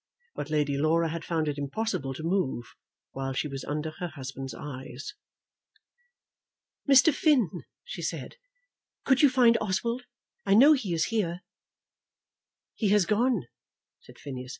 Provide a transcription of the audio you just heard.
But Lady Laura had found it impossible to move while she was under her husband's eyes. "Mr. Finn," she said, "could you find Oswald? I know he is here." "He has gone," said Phineas.